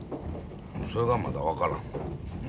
それがまだ分からん。